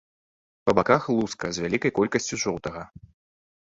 Па баках луска з вялікай колькасцю жоўтага.